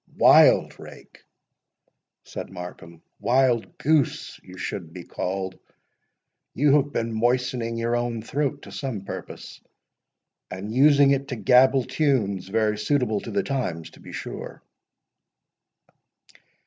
"Wildrake!" said Markham—"Wildgoose you should be called. You have been moistening your own throat to some purpose, and using it to gabble tunes very suitable to the times, to be sure!"